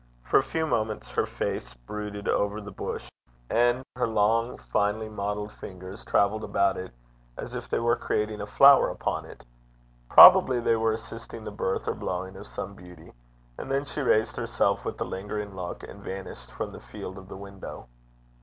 For a few moments her face brooded over the bush, and her long, finely modelled fingers travelled about it as if they were creating a flower upon it probably they were assisting the birth or blowing of some beauty and then she raised herself with a lingering look, and vanished from the field of the window.